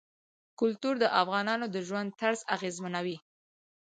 کلتور د افغانانو د ژوند طرز اغېزمنوي.